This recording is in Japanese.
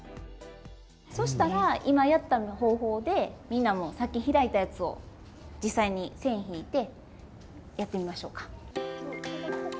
そしたら今やった方法でみんなもさっき開いたやつを実際に線引いてやってみましょうか。